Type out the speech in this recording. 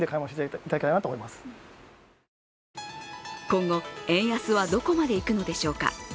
今後、円安はどこまでいくのでしょうか。